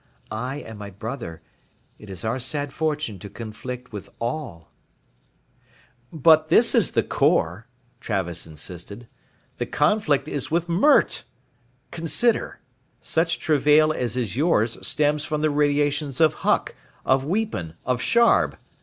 I, and my brother, it is our sad fortune to conflict with all." "But this is the core," Travis insisted. "The conflict is with Mert! Consider, such travail as is yours stems from the radiations of Huck, of Weepen, of Scharb.